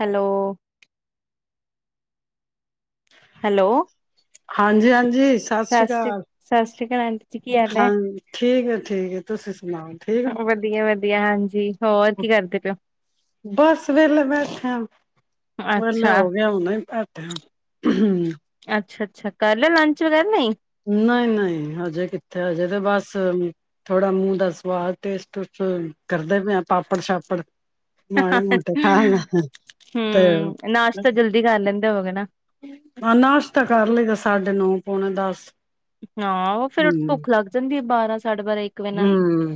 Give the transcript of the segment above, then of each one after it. Hello [inaudible] hello ਹਾਂਜੀ ਹਾਂਜੀ ਸਤਿ ਸ੍ਰੀ ਸ਼੍ਰੀ ਅਕਾਲ ਸਤਿ ਸ੍ਰੀ ਅਕਾਲ ਆਂਟੀ ਜੀ ਕੀ ਹਾਲ ਹਾਂ ਹੈ? ਠੀਕ ਹੈ ਠੀਕ ਹੈ ਤੁਸੀਂ ਸੁਣਾਓ ਠੀਕ ਆ ਧੀਆ ਹਾਂਜੀ ਹੋਰ ਕੀ ਕਰਦੇ ਪਏ ਹੋ? ਬਸ ਵੇਲੇ ਬੈਠੇਆਂ ਵੇਲੇ ਅੱਛਾ ਹੋ ਗਿਆ ਹੁਣੇ ਹੀ ਬੈਠੇ ਹਾਂ ਹ ਅੱਛ ਕ ਨਹੀਂ ਨਹੀਂ ਹਜੇ ਕਿੱਥੇ ਹਜੇ ਤੇ ਬਸ ਥੋੜਾ ਮੂੰਹ ਦਾ ਸਵਾਦ ਟੇਸਟ ਟੁਸਟ ਕਰਦੇ ਪਏ ਆ ਪਾਪੜ ਸ਼ਾਪੜ ਮਾੜੇ ਮੋਟੇ ਖਾ ਲ ਤੇ ਹਮ ਨਾਸ਼ਤਾ ਜਲਦੀ ਕਰ ਲੈਂਦੇ ਹੋਗੇ ਨਾ ਅਹ ਨਾਸ਼ਤਾ ਕਰ ਲਈ ਗ ਸਾਢੇ ਨੌ ਪੌਣੇ ਦਸ [unintelligible] ਹਾਂ ਉਹ ਫੇਰ ਹਮ ਭੁੱਖ ਲੱਗ ਜਾਂਦੀ ਹੈ ਬਾਰਾਂ ਸਾਢੇ ਬਾਰਾਂ ਇੱਕ ਵਜੇ ਨਾਲ ਹਮ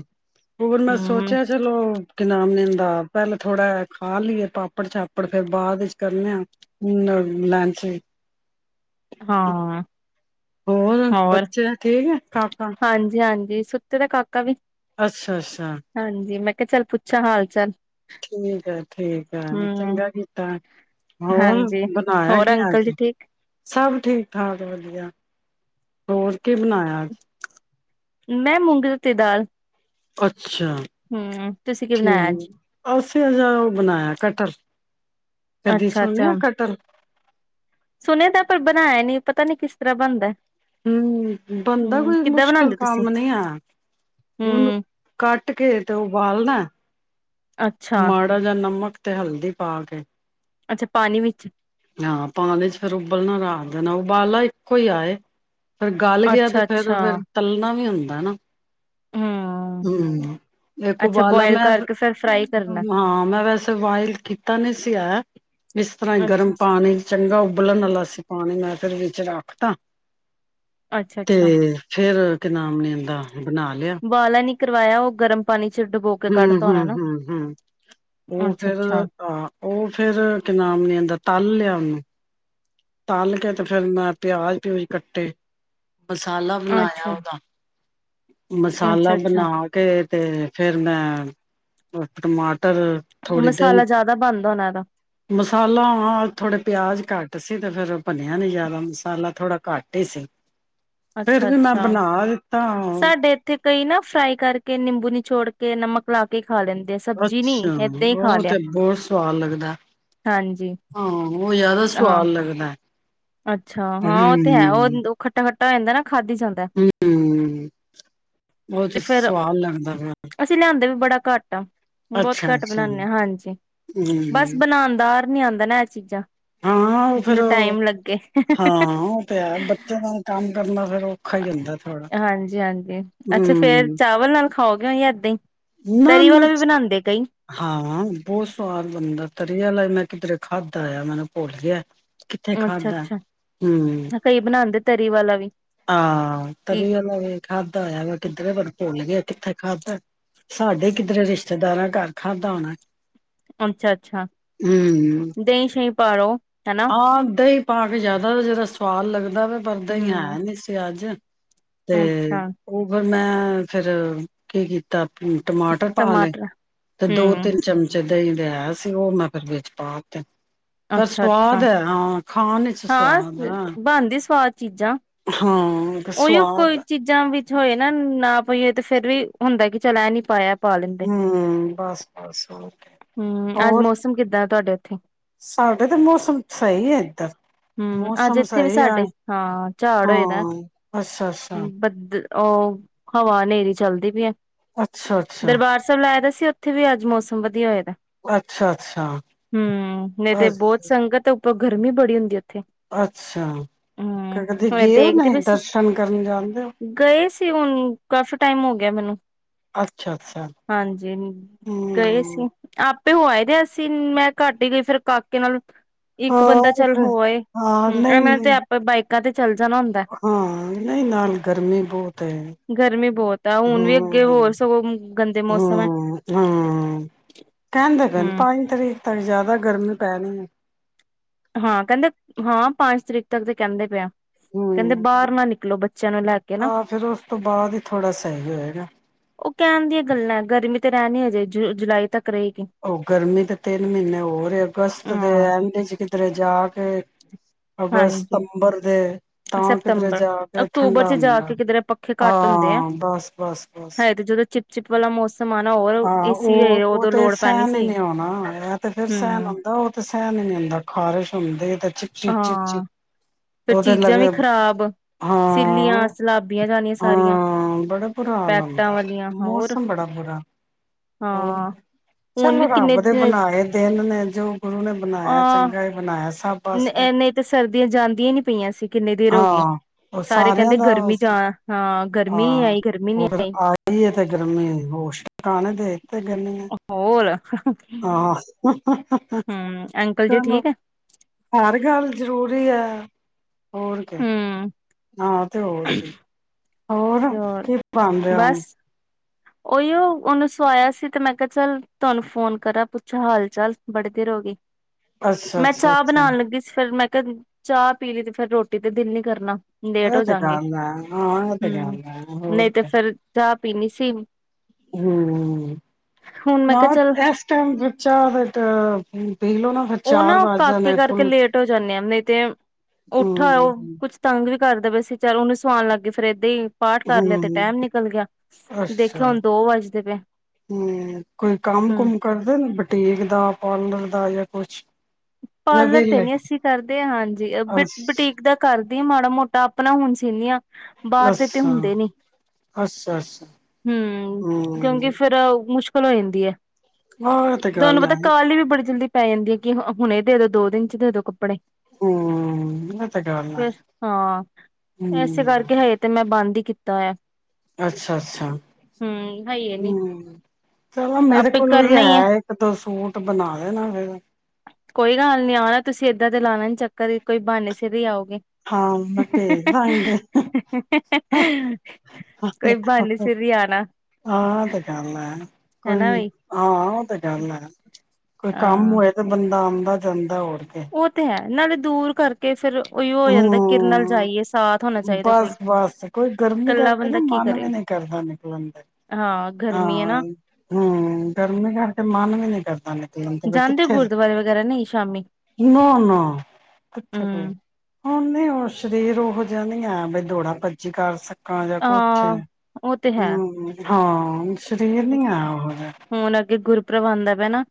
ਹੋਰ ਮੈਂ ਹੂੰ ਸੋਚਿਆ ਚਲੋ ਕਿ ਨਾਮ ਲੈਂ [unintelligible] ਪਹਿਲਾਂ ਥੋੜ੍ਹਾ ਖਾ ਲਈਏ ਪਾਪੜ ਛਾਪੜ ਫੇਰ ਬਾਅਦ ਵਿੱਚ ਕਰਨੇ ਆ [unintelligible] ਲੰਚ ਹਾਂ ਹੋਰ ਬੱਚੇ ਠੀਕ ਹੈ ਕਾਕਾ ਹਾਂਜੀ ਹਾਂਜੀ ਸੁ ਤੇਦਾ ਕਾ [unintelligible] ਕਵੀ ਅੱਛਾ ਅੱਛਾ ਹਾਂਜੀ ਮੈਂ ਕਿਆ ਚੱਲ ਪੁੱਛਾ ਹਾਲ ਚਾਲ ਠੀਕ ਹੈ ਠੀਕ ਹੈ ਹੂੰ ਚੰਗਾ ਕੀਤਾ ਹੋਰ ਹਾਂਜੀ ਬਣਾਇਆ ਹੋਰ ਕੀ ਅੰਕਲ ਜੀ ਅੱਜ ਠੀਕ ਸਭ ਠੀਕ ਕੀ ਬਣਾਇਆ ਅੱਜ ਮੈਂ ਮੂੰਗੀ ਤੀ ਦਾਲ ਅੱਛਾ [unintelligible] ਅੱਛਾ ਹੂੰ ਤੁਸੀਂ ਕੀ ਬਣਾਇਆ ਅੱਜ? ਠੀਕ ਅਸੀਂ ਅਜਹਾ ਉਹ ਬਣਾਇਆ ਕਟਲ ਕਦੀ ਸੁੋਣਿਆ ਕਟਰਲ [inaudible] ਸੁਣੇ ਦਾ ਪਰ ਬਣਾਇਆ ਨੀ ਪਤਾ ਨੀ ਕਿਸ ਤਰ੍ਹਾਂ ਬਣਦਾ [inaudible] ਹਮ ਬੰ ਹੂੰ ਕਿੱਦਾਂ ਬਣਾਉਂਦੇ ਤੁਸੀਂ ਹੂੰ ਅੱਛਾ ਮਾੜਾ ਜਿਹਾ ਨਮਕ ਤੇ ਹਲ ਅੱਛਾ ਪਾਣੀ ਵਿੱਚ ਹਾਂ ਪਾਣੀ ਚ ਫਰ ਉਬਲਣਾ ਰ ਜਨ [unintelligible] ਫੇਿਰ ਗਲ ਗਿਆ ਤੇ ਅੱਛਾ ਫੇਿਰ ਅੱਛਾ ਫਿਰ ਤਲਣਾ ਵੀ ਹੁੰਦਾ [unintelligible] ਨਾ ਹੂੰ ਹਮ ਇੱਕ ਅੱਛਾ ਉਬਾਲਾ ਬੋਇਲ ਮੈਂ ਕਰਕੇ ਫਿਰ ਫਰਾਈ ਕਰਨਾ ਹਾਂ ਮੈਂ ਵੈਸੇ ਬੋਆਇਲ ਕੀਤਾ ਨੀ ਸੀ ਐ ਇਸ ਤਰ੍ਹਾਂ ਹੀ ਅੱਛਾ ਗਰਮ ਅੱਛਾ ਪਾਣੀ ਚੰਗਾ ਉਬਲਣ ਵਾਲਾ ਸੀ ਪਾਣੀ ਮੈਂ ਫਰਿਜ ਵਿੱਚ ਰੱਖਤਾ ਅੱਛਾ ਤੇ ਅੱਛਾ ਫਿਰ ਨਾਮ ਨੇ ਦਾ ਬਣਾ ਲਿਆ ਬਾਲਾ ਨੀ ਕਰਵਾਇਆ ਉਹ ਗਰਮ ਪਾਣੀ ਚ ਡੁਬੋ ਕੇ ਹ ਕੱਢਤਾ ਹ ਹੋਣਾ ਹ ਨਾ ਹ ਉਹ ਅੱਛਾ ਫੇਿਰ ਅੱਛਾ ਆਹ ਉਹ ਫੇਿਰ ਕੀ ਨਾਮ ਨੇ ਅਦਰ ਤਲ ਲਿਆ ਉਹਨੂੰ ਤਲ ਕੇ ਤੇ ਫੇਿਰ ਮੈਂ ਪਿਆਜ ਪਿਊਜ ਕੱਟੇ ਮਸਾਲਾ ਬਣਾਇਆ ਅੱਛਾ ਉਹਦਾ ਅੱਛਾ ਮਸਾਲਾ ਅੱਛਾ ਬਣਾ ਕੇ ਤੇ ਫੇਰ ਮੈਂ ਉਸ ਵਿੱਚ ਟਮਾਟਰ ਪਰ ਥੋੜੀ ਦੇਹੀਂ ਮਸਾਲਾ ਜ਼ਿਆਦਾ ਬਣਦਾ ਹੋਣਾ ਇਹਦਾ ਮਸਾਲਾ ਥੋੜੇ ਪਿਆਜ ਤਾਂ ਤੇ ਫਿਰਰ ਬਣਿਆ ਨੀ ਜ਼ਿਆਦਾ ਮਸਾਲਾ ਥੋੜਾ ਘੱਟ ਹੀ ਸੀ ਫਿਰ ਅੱਛਾ ਵੀ ਮੈਂ ਅੱਛਾ ਬਣਾ ਦਿੱਤਾ ਸਾਡੇ ਇੱਥੇ ਕਈ ਨਾ ਫਰਾਈ ਕਰਕੇ ਨਿੰਬੂ ਨਿਚੋੜ ਕੇ ਨਮਕ ਲਾ ਕੇ ਖਾ ਲੈਂਦੇ ਆ ਸਬਜ਼ੀ ਨੀ ਅੱਛਾ ਏਦਾਂ ਹੀ ਖਾ ਉਹ ਲਿਆ ਤੇ ਬਹੁਤ ਸਵਾਦ ਲੱਗਦਾ ਹਾਂਜੀ ਹਾਂ ਉਹ ਜਿਆਦਾ ਹਾਂ ਸਵਾਦ ਲੱਗਦਾ ਅੱਛਾ ਹਾਂ ਹਮ ਉਹ ਤੇ ਹੈ ਉਹ ਖੱਟਾ ਖੱ ਖੱਟਾ ਹੋ ਜਾਂਦਾ ਨਾ ਖਾਧੀ ਜਾਂਦਾ ਹਮ ਉਹ ਤੇ ਸਵਾਦ ਲੱਗਦਾ ਅਸੀਂ ਲਿਆਂਦੇ ਵੀ ਬੜਾ ਘੱਟ ਬਹੁਤ ਅੱਛਾ ਘੱਟ ਅੱਛਾ ਬਣਾਉਦੇ ਹ ਹਾਂਜੀ ਬਸ ਹਮ ਬਣਾਉਣ ਦਾ ਨੀ ਆਉਂਦਾ ਨਾ ਇਹ ਚੀਜ਼ਾਂ ਹਾਂ ਉਹ ਫੇਰ ਜਿਹਨੂੰ ਉਹ ਟਾਈਮ ਲੱਗ ਹਾਂ ਉਹ ਤੇ ਹੈ ਬੱਚਿਆਂ ਦਾ ਕੰਮ ਕਰਨਾ ਫਿਰ ਹਾਂਜੀ ਹਾਂਜੀ ਅੱਛਾ ਫੇਰ ਹੂੰ। ਚਾਵਲ ਨਾਲ ਖਾਓਗੇ ਹੋਂਏਦਾਂ ਹੀ ਨਾ ਤਰੀ ਨਾ ਵਾਲਾ ਵੀ ਬਣਾਉਂਦੇ ਕਈ ਹਾਂ ਬਹੁਤ ਸਵਾਦ ਬਣਦਾ ਤਰੀਆ ਲ ਮੈਂ ਕਿਧਰੇ ਖਾਦ ਆਇਆ ਮੈਨੂੰ ਭੁੱਲ ਗਿਆ ਕਿੱਥੇ ਅੱਛਾ ਖਾਧਾ। ਅੱਛਾ ਹੂੰ। ਕਈ ਬਣਾਉਦੇ ਤਰੀ ਵਾਲਾ ਵੀ ਹਾਂ ਕੀ ਤਰੀ ਉਹ ਖਾਧਾ ਹੋਇਆ ਵਾ ਕਿੱਧਰੇ ਬਨ ਭੁੱਲ ਗਏ ਕਿੱਥੇ ਖਾਧਾ ਸਾਡੇ ਕਿੱਧਰੇ ਰਿਸ਼ਤੇਦਾਰਾਂ ਘਰ ਖਾਧਾ ਹੋਣਾ ਅੱਛਾ ਅੱਛਾ ਹੂੰ। ਦਹੀਂ ਸ਼ਹੀਂ ਭੋ ਹਾਂ ਦਹੀਂ ਕੇ ਜਿਆਦਾ ਜਹੜਾ ਸਵਾਦ ਲੱਗਦਾ ਦਾ ਵੀ ਵਰਦਾ ਹੀ ਹਮ ਹੈ ਨੀ ਸੀ ਅੱਜ ਤੇ ਅੱਛਾ ਉਹ ਮੈਂ ਫੇਰ ਕੀ ਕੀਤਾ ਫੇਰ ਟਮਾਟਰ ਪਾ ਲਏ ਟਮਾਟਰ ਤੇ ਹਮ ਦੋ-ਤਿੰਨ ਚਮਚੇ ਦਹੀਂ ਲਿਆਆ ਸੀ। ਉਹ ਮੈਂ ਫਿਰ ਵਿੱਚ ਪਾ ਤੇ। ਅੱਛਾ ਅ ਹਦ ਹੈ ਨਾਂ। ਹਾਂ, ਬਣਦੀ ਸਵਾਦ। ਚੀਜ਼ਾਂ ਹਾਂ ਉਹੀਓ ਸਵਾਦ ਕੋਈ ਚੀਜ਼ਾਂ ਵਿੱਚ ਹੋਏ ਨਾ ਨਾ ਪਈਏ ਤੇ ਫ਼ਿਰ ਵੀ, ਹੁੰਦਾ ਕਿ ਚੱਲ ਐਂ ਨੀ ਪਾਇਆ। ਪਾ ਲੈਂਦੇ। ਹਮ, ਬਸ-ਬਸਹੋਰ ਕਿਆ, ਹੂੰ ਅੱਜ ਔਰ। ਮੌਸਮ ਕਿੱਦਾਂ ਤੁਹਾਡੇ ਉੱਥੇ ਸਾਡੇ ਤੇ ਮੌਸਮ ਸਹੀ ਹੈ ਏਧਰ ਹੂੰ ਅੱਜ ਮੌਸਮ ਇੱਥੇ ਵੀ ਸਹੀ ਆ। ਸਾਡੇ ਹਾਂ ਝਾੜ ਹੋਏ ਦਾ ਹਾਂ ਅੱਛਾ-ਅੱਛਾ ਬੱਦ ਉਹ ਹਵਾ ਹਨੇਰੀ ਚੱਲਦੀ ਪਈ ਏ। ਅੱਛਾ ਅੱਛਾ ਦਰਬਾਰ ਸਾਹਿਬ ਲੈਗੇ ਸੀ ਤੇ ਉੱਥੇ ਵੀ ਅੱਜ ਮੌਸਮ ਵਧੀਆ ਹੋਇਆ। ਅੱਛਾ ਅੱਛਾ ਹਮ ਨਹੀਂ ਅੱਛਾ ਤੇ ਬਹੁਤ ਸੰਗਤ ਤੇ ਗਰਮੀ ਬੜੀ ਹੁੰਦੀ ਹੈ। ਅੱਛਾ, ਕਦੀ ਹੁਣੇ ਗਏ ਹੋ ਦੇਖਦੇ ਪਏ ਸੀ ਮਨੀਕਰਨ ਜਾਣਦੇ ਹੋ ਗਏ ਸੀ ਹੁਣ ਕਾਫ਼ੀ ਟਾਈਮ ਹੋ ਗਿਆ ਮੈਨੂੰ। ਅੱਛਾ ਅੱਛਾ ਹਾਂਜੀ, ਗਏ ਹੂੰ ਸੀ ਆਪ ਤੇ ਹੋ ਆਏਦੇ ਅਸੀ, ਮੈਂ ਘੱਟ ਹੀ ਗਈ ਫੇਰ ਕਾਕੇ ਨਾਲ। ਹਾਂ ਇੱਕ ਬੰਦਾ ਉਹ ਚੱਲ ਫਿਰ ਹੋ ਆਏ। ਹਾਂ ਹਮ, ਨਹੀਂ ਇਹਨਾਂ ਨੇ ਤੇ ਨਹੀਂ ਆਪੇ ਬਾਈਕ ਕਰਦੇ ਚੱਲ ਜਾਣਾ ਹੁੰਦਾ। ਹਾਂ, ਨਹੀਂ ਨਾਲ ਗਰਮੀ ਬਹੁਤ ਐ। ਗਰਮੀ ਬਹੁਤ ਆ ਹੁਣ ਵੀ ਅੱਗੇ ਹੋਰ ਹਮ-ਹਮ-ਹਮ ਸਗੋਂ ਗੰਦੇ ਮੌਸਮ ਹੈ ਕਹਿੰਦੇ ਪਏ ਨੇ, ਹੂੰ ਪੰਜ ਤਰੀਕ ਤੱਕ ਜਿਆਦਾ ਗਰਮੀ ਪੈਣੀ ਏ। ਹਾਂ, ਕਹਿੰਦੇ। ਹਾਂ, ਪੰਜ ਤਰੀਕ ਤੱਕ ਤੇ ਕਹਿੰਦੇ ਪਏ ਆ। ਹਮ, ਲੈ ਕੇ ਨਾ ਆਹ ਫਿਰ ਉਸ ਤੋਂ ਬਾਅਦ ਹੀ ਥੋੜਾ ਸਹੀ ਹੋਏਗਾ। ਉਹ ਕਹਿਣ ਦੀਆਂ ਗੱਲਾਂ ਏ। ਗਰਮੀ ਤੇ ਰਹਿਣ ਅਜੇ ਜੁ ਜੁਲਾਈ ਤੱਕ। ਰਹੇਗੀ ਉਹ ਗਰਮੀ ਦੇ ਤਿੰਨ ਮਹੀਨੇ ਹੋਰ ਐ। ਅਗਸਤ ਦੇ ਹਾਂ ਐਂਡ ਚ ਕੀਧਰੇ ਜਾ ਕੇ ਹਾਂਜੀ ਅਗਸਤ-ਸਤੰਬਰ ਦੇ ਤਾਂ ਕਿਧਰੇ ਸਤੰਬਰ ਜਾ ਕੇ ਅਕਤੂਬਰ ਠੰਡਾ ਚ ਜਾ ਹੁੰਦਾ। ਕੇ ਕਿਧਰੇ ਪੱਖੇ ਘੱਟ ਹਾਂ, ਬਸ, ਬਸ, ਬਸ। ਚਿਪ-ਚਿਪ ਵਾਲਾ ਮੌਸ ਹਾਂ ਉਹ ਉਹ ਤੇ ਪੈਣੀ ਸਹਿਣ ਹੀ ਸਹੀ ਨਹੀਂ ਹੋਣਾ, ਐ ਤੇ ਫਿਰ ਸਹਿਣ ਹੂੰ ਹੁੰਂਦਾ, ਉਹ ਤੇ ਸਹਿਣ ਹੀ ਨੀ ਹੁੰਦਾ ਖ਼ਾਰਿਸ਼ ਹੁੰਦੀ ਤੇ ਚਿਪ-ਚਿਪ, ਚਿਪ-ਚਿਪ। ਫੇਰ ਚੀਜ਼ਾਂ ਵੀ ਖ਼ਰਾਬ, ਸਿੱਲੀਆਂ ਹਾਂ ਸਲਾਬੀ ਹਾਂ, ਬੜਾ ਬੁਰਾ ਹਾਲ ਪੈਕਟਾਂ ਹੂੰਦਾ। ਵਾਲੀਆਂ ਹੋਰ ਮੌਸਮ ਬੜਾ ਬੁਰਾ ਹੋਰ, ਹਾਂ ਹੁਣ ਚਲੋ ਰੱਬ ਦੇ ਬਣਾਏ ਦਿਨ ਨੇ। [inaudible] ਬਣਾਇਆ ਹਾਂ, ਚੰਗਾ ਹੀ ਬਣਾਇਆ ਸਭ ਵਾਸਤੇ ਨਹੀਂ ਤਾਂ ਸਰਦੀਆਂ ਜਾਂਦੀਆਂ ਨੀ ਪਈਆਂ ਸੀ ਕਿੰਨੀ ਦੇਰ ਹੋ ਗਈ। ਹਾਂ ਉਹ ਸਾਰੇ ਸਾਰਿਆਂ ਕਹਿੰਦੇ ਦਾ ਗਰਮੀ ਜਾ ਹਾਂ ਗਰਮੀ ਨੀ ਹਾਂ ਆਈ ਗਰਮੀ ਨੀ ਉਹ ਫਿਰ ਆਈ ਆ ਗਈ ਏ ਤੇ ਗਰਮੀ [unintelligible] ਤੇ ਹੋਰ [unintelligible] ਆਹ, ਹਮ ਅੰਕਲ ਜੀ ਚਲੋ ਠੀਕ ਹੈ ਹਰ ਗੱਲ ਜ਼ਰੂਰੀ ਆ। ਹੋਰ ਕੇ। ਹਮ ਹਾਂ ਤੇ ਹੋਰ ਕੇ। ਹੋਰ ਤੇ ਕੀ ਬਣ ਰਿਹਾ ਹੁਣ? ਓਹੀਓ, ਉਹਨੂੰ ਸਵਾਇਆ ਸੀ ਤੇ ਮੈਂ ਕਿਹਾ ਚੱਲ ਤੁਹਾਨੂੰ ਫੋਨ ਕਰਾਂ ਪੁੱਛਾਂ ਹਾਲ ਚਾਲ ਬੜੀ ਦੇਰ ਹੋ ਗਈ। ਅੱਛਾ ਮੈਂ ਅੱਛਾ ਚਾਹ ਅੱਛਾ ਬਣਾਉਣ ਲੱਗੀ ਸੀ ਫਿਰ ਮੈਂ [unintelligible] ਚਾਹ ਪੀ ਲਈ ਤੇ ਫਿਰ ਰੋਟੀ ਤੇ ਦਿਲ ਨੀ ਕਰਨਾ। ਲੇਟ ਏ ਹੋ ਤੇ ਜਾਗੇ ਗੱਲ ਹੈ, ਹਾਂ। ਇਹ ਤੇ ਹਮ ਗੱਲ ਹੈ ਹੋਰ ਨਹੀਂ ਤੇ ਕੇ। ਫੇਰ ਚਾਹ ਪੀਣੀ ਸੀ। ਹੂ, ਹੁਣ ਮੈਂ ਨਾ ਕਿਹਾ ਚੱਲ ਇਸ ਟਾਈਮ ਵਿੱਚਾ ਚਾਰ ਦਾ ਟਾਈਮ [inaudible] ਉਹ ਨਾ ਕਾਕੇ ਕਰਕੇ ਲੇਟ ਹੋ ਜਾਂਦੇ ਆ, ਨਹੀਂ ਤੇ ਉੱਠਾ ਹਮ ਉਹ ਕੁਛ ਤੰਗ ਵੀ ਕਰਦੇ ਪਏ ਸੀ ਚੱਲ ਉਹਨੂੰ ਸੁਾਨ ਲੱਗ ਪਏ ਫਿਰ ਇਏਦਾਂ ਹੀ ਪਾਠ ਕਰ ਲਿਆ ਹੂ, ਤੇ ਟਾਈਮ ਨਿਕਲ ਗਿਆ ਅੱਛਾ, ਦੇਖਿਆ ਹੁਣ ਦੋ ਵੱਜਦੇ ਪਏ ਹੂ ਕੋਈ ਕੰਮ ਹਮ ਕੁਮ ਕਰਦੇ ਬੁਟੀਕ ਦਾ ਪਾਰਲਰ ਦਾ ਜਾਂ ਖੁਛ ਪਾਰਲਰ ਤੇ ਨੀ ਅਸੀਂ ਕਰਦੇ ਹਾਂਜੀ, ਬ ਅੱਛਾ ਬੁਟੀਕ ਦਾ ਕਰ ਮਾੜਾ ਮੋਟਾ ਆਪਣਾ ਹੁਣ ਸੀਨੀ ਆ। ਬਾਹਰ ਦੇ ਤੇ ਅੱਛਾ ਹੁੰਦੇ ਨੀ, ਅੱਛਾ ਅੱਛਾ ਹੂ ਕਿਉਂਕਿ ਹਮ ਫਿਰ ਮੁਸ਼ਕ [unintelligible] ਹਾਂ ਇਹ ਤੇ ਗੱਲ ਤੁਹਾਨੂੰ ਹੈ ਪਤਾ ਕਾਲਲੀ ਵੀ ਬੜੀ ਜਲਦੀ ਪੈ ਜਾਂਦੀ ਹੈ ਕਿ ਹਾਂ ਹੁਣੇ ਦੇ ਦੋ ਦੋ ਦਿਨ 'ਚ ਦੇ ਦੋ ਕੱਪੜੇ। ਹਮ ਇਹ ਤੇ ਗੱਲ ਹੈ ਫਿਰ ਹਾ ਇਸੇ ਹਮ ਕਰਕੇ ਹਜ ਤੇ ਮੈਂ ਬੰਦ ਹੀ ਕੀ ਤਾਂ ਅੱਛਾ ਅੱਛਾ ਹੈ ਹੀ ਨੀ। ਹਮ ਚਲੋ ਮੇਰੇ ਆਪੇ ਕੋਲ ਵੀ ਕਰਨਾ ਹੀ ਹੈ ਇੱਕ ਦੋ ਸੂਟ ਬਣਾ ਦੇਣਾ ਫਿਰ ਕੋਈ ਗੱਲ ਨੀ ਆਉਣਾ ਤੁਸੀਂ ਏਦਾਂ ਤੇ ਲਾਣਾ ਨੀ ਚੱਕ ਕਦੇ ਕੋਈ ਬਾਨੇ ਸਿਰ ਹੀ ਆਉਗੇ ਹਾਂ ਮੈਂ ਭੇਜ ਦਾਂਗੀ ਕੋਈ ਬਾਨੇ ਸਿਰ ਹੀ ਆਣਾ ਹਾਂ ਤੇ ਗੱਲ ਹੈ ਹੈਨਾ ਕੋਈ ਵੀਈ ਹਾਂ ਉਹ ਤੇ ਗੱਲ ਹੈ ਕੋਈ ਕੰਮ ਹੋਏ ਤਾਂ ਬੰ ਦਾ ਆਉਂਦਾ ਜਾਂਦਾ ਉਹ ਉਹ ਤੇ ਹੈ ਨਾਲੇ ਦੂਰ ਕਰਕੇ ਫੇਰ ਬੲ ਔ ਹੋ ਜਾਂਦਾ ਕਿਰਨਲ ਹਮ ਜਾਈਏ ਅਸੀ ਬਸ ਬਸ ਕੋਈ ਗਰਮੀ ਇਕੱਲਾ ਕਰਕੇ ਨਾ ਬੰਦਾ ਕੀ ਮਨ ਕਰੇ ਵੀ ਨਹੀਂ ਕਰਦਾ ਨਿਕਲਣ ਦਾ ਹਾਂ ਗਰਮੀ ਹੈ ਹਾਂ ਨਾ ਹਮ ਗਰਮੀ ਕਰਕੇ ਮਨ ਵੀ ਨੀ ਕਰਦਾ ਜਾਂਦੇ ਹੋ ਕਿੱਥੇ ਗੁਰਦੁਆਰੇ ਵਗੈਰਾ ਨਹੀਂ ਸ਼ਾਮੀ। ਨਾ ਨਾ ਕਿੱਥੇ ਕੋ ਹੂੰ, ਹੁਣ ਨ ਹਣ ਰੇਰੋ ਹੋ ਜਾਂਦੀ ਆ ਬ ਦੋੜਾ ਭੱਜੀ ਕਰ ਸਕ ਕਜ ਆ ਕਰਚ ਹਾਂ ਉਹ ਤੇ ਹੈ ਹਮ ਹਾਂ ਸਰੀਰ ਨੀ ਆਇਆ ਉਹਹਾ ਪ੍ਰਬ ਆਦਾ ਪਿਆ ਨਾ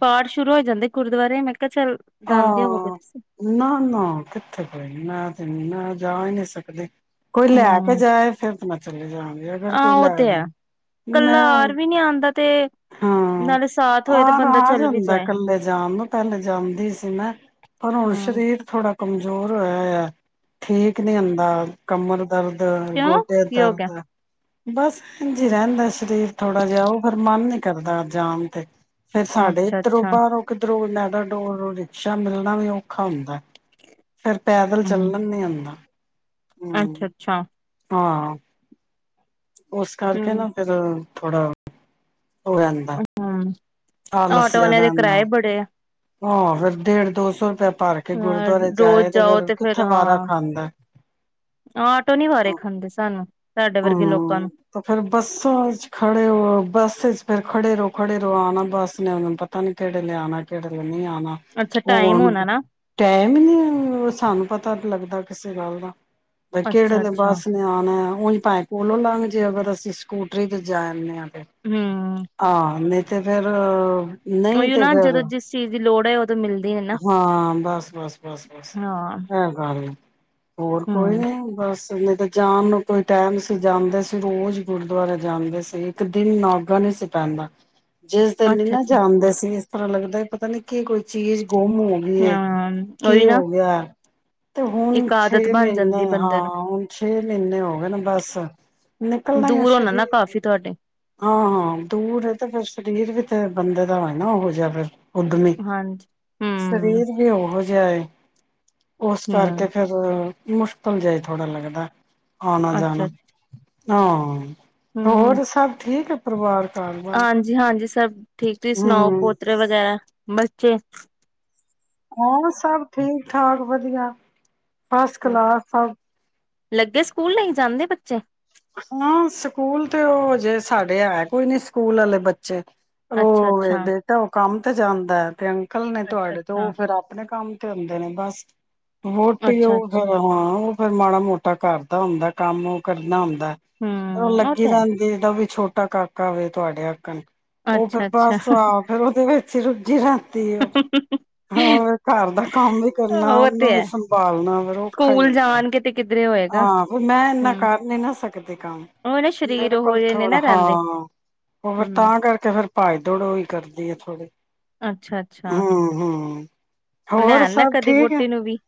ਪਾਠ ਸ਼ੁਰੂ ਹੋ ਜਾਂਦੇ ਗੁਰਦੁਆਰੇ ਮੈਂ ਕਿਹਾ ਚੱਲ ਆ ਜਾਂਦੇ ਹੋਵੋਗੇ ਤੁਸੀਂ। ਨਾ ਨਾ ਕਿੱਥੇ ਕੋਈ ਮੈਂ ਤੇ ਨ ਮੈਂ ਜਾ ਹੀ ਨਹੀਂ ਸਕਦੇ ਕੋਈ ਲੈ ਕੇ ਹੂੰ। ਜਾਏ ਫੇਰ ਮੈਂ ਚਲੇ ਜਾ ਅਗਰ ਹਾਂ ਕੋਈ ਲੈ ਉਹ ਤੇ ਹੈ ਜਾਣ ਕੱਲਾ ਮੈਂ ਆਰ ਵੀ ਨੀ ਆਂਦਾ ਤੇ ਹਾਂ ਨਾਲੇ ਸਾਥ ਹੋਏ ਤੇ ਆਰ ਬੰਦਾ ਆ ਚੱਲ ਵੀ ਜਾਂਦਾ ਜਾਏ। ਕੱਲੇ ਜਾਮ ਪਹਿਲੇ ਜਾਂਦੀ ਨਾ ਪਰ ਹੁਣ ਹੂੰ। ਸਰੀਰ ਥੋੜ੍ਹਾ ਕਮਜ਼ੋਰ ਹੋਇਆ ਠੀਕ ਨੀ ਹੁੰਦਾ ਕਮਰ ਦਰਦ ਕਿਉਂ ਗੋਟੇ ਕੀ ਹੋ ਗਿਆ ਦਰਦ ਬਸ ਐਜ ਈ ਰਹਿੰਦਾ ਸਰੀਰ ਥੋੜਾ ਜਿਹਾ ਉਹ ਫਿਰ ਮਨ ਨੀ ਕਰਦਾ ਜਾਨ ਤੇ ਫੇਰ ਸਾਡੇ ਇੱਧਰੋਂ ਅੱਛਾ-ਅੱਛਾ। ਬਾਹਰੋਂ ਕਿਧਰੋ [unintelligible] ਅਛਾ ਮਿਲਣਾ ਵੀ ਔਖਾ ਹੁੰਦਾ ਫੇਰ ਪੈਦਲ ਚੱਲਣ ਨੀ ਆਉਂਦਾ ਅੱਛਾ ਅੱਛਾ ਹਾਂ ਉਸ ਕਰਕੇ ਨਾ ਹੂੰ ਫੇਰ ਥੋੜਾ ਹੋ ਜਾਂਦਾ ਆਟੋ ਵਾਲਿਆਂ ਦੇ ਕਿਰਾਏ ਬੜੇ ਏ ਹਾਂ ਫੇਰ ਡੇਢ ਦੋ ਸੋ ਰੁਪਆ ਭਰ ਕੇ ਹਾਂ ਗੁਰਦੁਆਰੇ ਰੋਜ਼ ਜਾਏ ਤੇ ਜਾਓ ਫਿਰ ਫੇਰ ਕਿੱਥੇ ਵਾਰਾ ਹਾਂ ਖਾਂਦਾ ਆਟੋ ਨੀ ਵਾਰੇ ਖਾਂਦੇ ਸਾਨੂੰ। ਸਾਡੇ ਵਰਗੇ ਲੋਕਾਂ ਹਮ ਨੂੰ ਤੇ ਫੇਰ ਬੱਸਾਂ ਚ ਖੜੇ ਹੋ ਬੱਸ ਚ ਫਿਰ ਖੜੇ ਰੋ ਖੜੇ ਰੋ ਆਣਾ ਬਸ ਨੇ ਹੁਨ ਪਤਾ ਨੀ ਕਿਹੇ ਲ ਆਨਾ ਕਿੜੇ ਲ ਆਉਣਾ ਅੱਛਾ ੳ ਟਾਈਮ ਹੁਣ ਹੋਣਾ ਨਾ ਟਾਈਮ ਹੀ ਨੀ ਸਾਨੂੰ ਪਤਾ ਤੇ ਲੱਗਦਾ ਇਸੇ ਨਾਲ ਨਾ ਬਈ ਕਿਹੜੇ ਵੇਲੇ ਅੱਛਾ-ਅੱਛਾ ਬਸ ਨੇ ਆਉਣਾ ਉੰਝ ਭਾਵੇਂ ਕੋਲੋ ਲੰਘ ਜੇਅਗਰ ਅਸੀਂ ਸਕੂਟਰੀ ਤੇ ਜਾ ਜਾ ਆਨੇ ਹਾਂ ਹੂੰ। ਹਾਂ ਨਹੀਂ ਤੇ ਫਿਰ ਨਹੀਂ ਉਹੀ ਤੇ ਨਾ ਫਿਰ ਜਦੋਂ ਜਿਸ ਚੀਜ਼ ਦੀ ਲੋੜ ਹੈ ਉਦੋਂ ਮਿਲਦੀ ਹੈ ਨਾ ਹਾਂ ਬਸ ਬਸ ਬਸ ਬਸ ਹਾਂ ਏ ਗਲ ਏ ਹੋਰ ਕੋਈ ਹੂੰ ਨੀ ਬਸ ਬਈ ਏਤਾਂ ਜਾਣ ਨੂੰ ਕੋਈ ਟਾਈਮ ਸੀ ਜਾਂਦੇ ਸੀ ਰੋਜ਼ ਗੁਰਦੁਆਰਾ ਜਾਂਦੇ ਸੀ ਇੱਕ ਦਿਨ ਨਾਗਾ ਨਹੀਂ ਸੀ ਪੈਂਦਾ ਜਿਸ ਦਿਨ ਨ ਨਾ ਅੱਛਾ-ਅੱਛਾ। ਜਾਣਦੇ ਸੀ ਇਸ ਤਰ੍ਹਾਂ ਲਗ ਪਤਾ ਨੀ ਕੀ ਕੋਈ ਚੀਜ਼ ਗੁੰਮ ਹੋ ਗਈ ਹਾਂ ਕੀ ਉਹੀ ਨਾ ਹੋ ਗਿਆ ਤੇ ਹੁਣ ਇੱਕ ਛੇ ਆਦਤ ਬਣ ਜਾਂਦੀ ਮਹੀਨੇ ਬੰਦੇ ਨੂੰ ਹਾਂ ਹੁਣ ਛੇ ਮਹੀਨੇ ਹੋ ਗਏ ਨੇ ਬਸ ਨਿਕਲਣਾ ਹੀ ਆ ਦੂਰ ਹੋਣਾ ਨਾ ਸ਼ਰੀਰ ਕਾਫ਼ੀ ਤੁਹਾਡੇ ਹਾਂ ਹਾਂ ਦੂਰ ਤੇ ਫਿਰ ਸਰੀਰ ਵੀ ਤੇ ਬੰਦੇ ਦਾ ਨਾ ਉਹੋ ਜਿਹਾ ਫਿਰ ਉਦਮੀ ਹਾਂਜੀ ਹਮ ਸਰੀਰ ਵੀ ਹੋਵੇ [inaudible] ਉਸ ਕਰਕੇ ਹਮ ਫੇਿਰ ਮੁਸ਼ਕਿਲ ਜਿਹਾ ਹੀ ਥੋੜਾ ਲੱਗਦਾ ਆਉਨਾਂ ਜਾਣਾ ਅੱਛਾ ਹਾਂ ਹਮ ਹੋਰ ਸਭ ਠੀਕ ਏ ਹਾਂਜੀ ਹਾਂਜੀ ਸਭ ਠੀਕ ਤੁਸੀਂ ਸੁਣਾਓ ਹਮ ਪੋਤਰੇ ਵਗੈਰਾ ਬੱਚੇ ਹਾਂ ਸਭ ਠੀਕ ਠਾਕ ਵਧੀਆ ਫਸਟ ਕਲਾਸ ਸ ਲੱਗੇ ਸਕੂਲ ਲਈ ਜਾਂਦੇ ਬੱਚੇ ਹਾਂ ਸਕੂਲ ਤੇ ਉਹ ਹਜੇ ਸਾਡੇ ਹੈ ਕੋਈ ਨੀ ਸਕੂਲ ਵਾਲੇ ਬੱਚੇ ਅੱਛਾ ਉਹ ਅੱਛਾ ਬੇਟਾ ਉਹ ਕੰਮ ਜਾਂਦਾ ਹੈ ਤੇ ਨਿਕਲਣੇ ਅੱਛਾ ਤੁਹਾਡੇ ਤੋਂ ਅੱਛਾ ਉਹ ਫੇਿਰ ਆਪਣੇ ਕੰਮ ਸੁੱਤੇ ਹੁੰਦੇ ਨੇ ਬਸ ਵੋਟੀ ਅੱਛਾ ਉਹ ਅੱਛਾ ਫਿਰ ਹੁਣ ਫੇਰ ਮਾੜਾ ਮੋਟਾ ਕਰਦਾ ਹੁੰਦਾ ਕੰਮ ਕਰਨਾ ਹੁੰਦਾ ਉਹ ਲੱਗੀ ਰਹਿੰਦੀ ਹੈ ਤੇ ਛੋਟੀ ਵੀ ਛੋਟਾ ਕਾਕਾ ਤੁਹਾਡੇ ਵਾਂਗੂ ਉਹ ਫਿਰ ਅੱਛਾ ਅੱਛਾ ਬਸ ਆਹ ਫੇਰ ਉਹਦੇ ਵਿੱਚ ਹੀ ਰੁ ਜਿਰਾ ਤੇ ਉਹ ਹੋਰ ਘਰ ਦਾ ਕੰਮ ਵੀ ਕਰਨਾ ਉਹ ਤੇ ਉਹਨੂੰ ਵੀ ਹੈ ਸੰਭਾਲਣਾ ਫੇਿਰ ਔਖਾ ਹੀ ਸਕੂਲ ਹੁੰਦਾ ਜਾਣ ਕੇ ਤੇ ਕਿੱਧਰੇ ਹੋਏਗਾ ਹਾਂ ਫ ਮੈਂ ਇਨਾ ਹਮ ਕਰ ਨੀ ਨਾ ਸਕਦੀ ਕੰਮ ਉਹ ਨਾ ਸਰੀਰ ਮੇਰੇ ਕੋਲ ਉਹੋ ਜਿਹੇ ਨੇ ਥੋੜਾ ਨਾ ਰਹਿੰਦੇ ਹਾਂ ਉਹ ਫ ਹਮ ਤਾਂ ਕਰਕੇ ਫਿਰ ਭਏ ਦੌੜੋ ਹੀ ਕਰਦੀ ਆ ਥੋੜੀ ਅੱਛਾ ਅੱਛਾ ਹਮ ਹਮ ਲੈ ਹੋਰ ਆਨਾ ਸਭ ਕਦੇ ਠੀਕ ਹੈ ਵੋਟੀ ਨੂੰ ਵੀ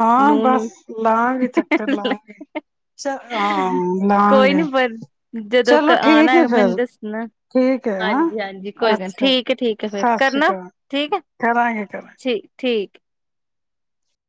ਹਾਂ ਨੂੰਹ ਬਸ ਨੂੰ ਲਾਗੇ ਲਾਂਗੇ ਹਾਂ ਕੋਈ ਨੀ ਲਾਂਗੇ ਪਰ ਜਦੋਂ ਕ ਚਲੋ ਆਣਾ ਠੀਕ ਹੈ ਹੈਗਾ ਮੈਨੂੰ ਫਿਰ ਦੱਸਣਾ ਠੀਕ ਹੈ, ਹ ਹਾਂਜੀ ਹਾਂਜੀ ਕੋਈ ਗੱਲ ਨੀ, ਅੱਛਾ ਠੀਕ ਹੈ ਠੀਕ ਹੈ ਫੇਰ ਸਤਿ ਸ੍ਰੀ ਕਰਨਾ ਅਕਾਲ ਠੀਕ ਹੈ ਕਰਾਂਗੇ ਕਰਾਂਗੇ। ਠੀਕ ਠੀਕ